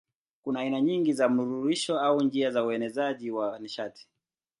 Kuna aina nyingi za mnururisho au njia za uenezaji wa nishati.